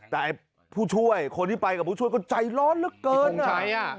แต่ผู้ช่วยคนที่ไปกับผู้ช่วยก็ใจร้อนเหลือเกิน